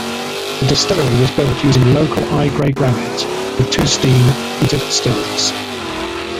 The distillery was built using local eye grey granite, with two steam heated stills.